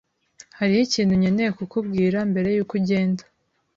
Hariho ikintu nkeneye kukubwira mbere yuko ugenda.